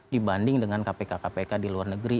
dibanding dengan kpk kpk di luar negeri